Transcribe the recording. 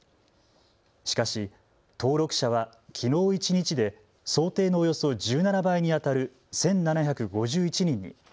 しかし登録者はきのう一日で想定のおよそ１７倍にあたる１７５１人に。